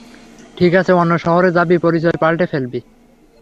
ঠিক আছে, অন্য শহরে যাবি, পরিচয় পালটে ফেলবি।